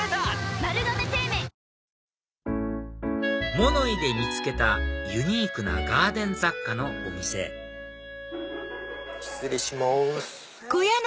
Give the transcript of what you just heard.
物井で見つけたユニークなガーデン雑貨のお店失礼します。